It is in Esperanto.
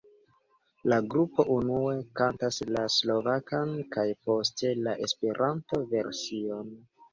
La grupo unue kantas la slovakan kaj poste la Esperanto-version.